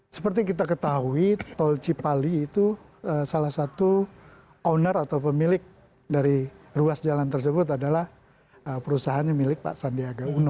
seperti kita ketahui tol cipali itu salah satu owner atau pemilik dari ruas jalan tersebut adalah perusahaannya milik pak sandiaga uno